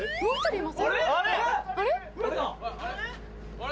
あれ？